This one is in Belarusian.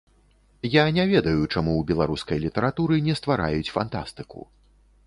Я не ведаю, чаму ў беларускай літаратуры не ствараюць фантастыку.